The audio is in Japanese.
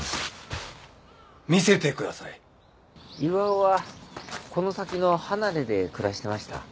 巌はこの先の離れで暮らしてました。